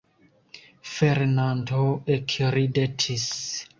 Fernando ekridetis.